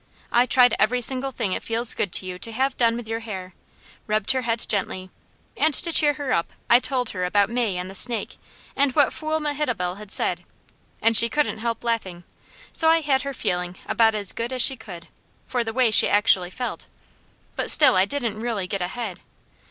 I tried every single thing it feels good to you to have done with your hair, rubbed her head gently, and to cheer her up I told her about May and the snake, and what fool Mehitabel had said, and she couldn't help laughing; so I had her feeling about as good as she could, for the way she actually felt, but still I didn't really get ahead.